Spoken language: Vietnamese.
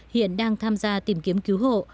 hiện đang tham gia tìm kiếm cứu hộ